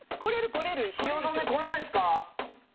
汐留来れないですか？